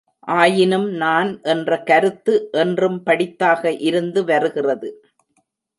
ஆயினும், நான் என்ற கருத்து என்றும் படித்தாக இருந்து வருகிறது.